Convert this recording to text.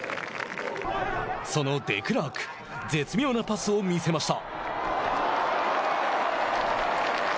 そのデクラーク絶妙なパスを見せました。